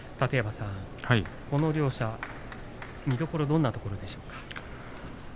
この両者、見どころどんなところでしょうか？